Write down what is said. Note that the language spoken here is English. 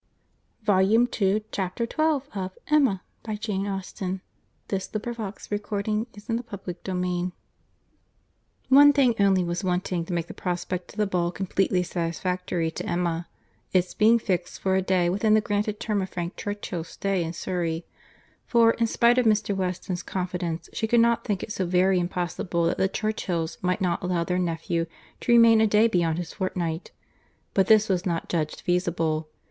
ing Mr. Weston whisper to his wife, "He has asked her, my dear. That's right. I knew he would!" CHAPTER XII One thing only was wanting to make the prospect of the ball completely satisfactory to Emma—its being fixed for a day within the granted term of Frank Churchill's stay in Surry; for, in spite of Mr. Weston's confidence, she could not think it so very impossible that the Churchills might not allow their nephew to remain a day beyond his fortnight. But this was not judged feasible.